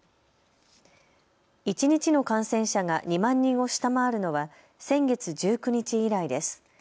一日の感染者が２万人を下回るのは先月１９日以来です。